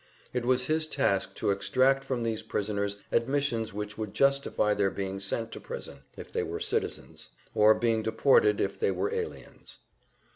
It was his task to extract from these prisoners admissions which would justify their being sent to prison if they were citizens, or being deported if they were aliens.